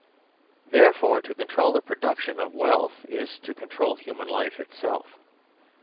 Therefore, to control the production of wealth is to control human life itself.